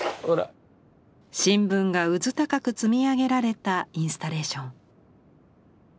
新聞がうずたかく積み上げられたインスタレーション。